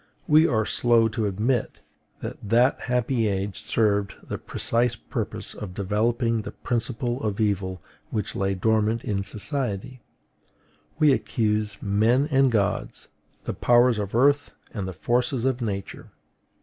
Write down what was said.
We are slow to admit that that happy age served the precise purpose of developing the principle of evil which lay dormant in society; we accuse men and gods, the powers of earth and the forces of Nature.